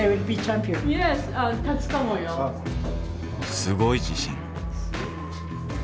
すごい自信。